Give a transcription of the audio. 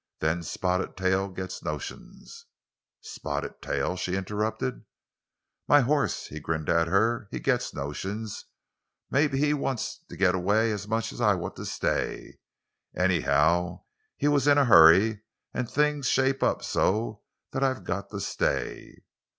Then Spotted Tail gets notions——" "Spotted Tail?" she interrupted. "My horse," he grinned at her. "He gets notions. Maybe he wants to get away as much as I want to stay. Anyhow, he was in a hurry; and things shape up so that I've got to stay.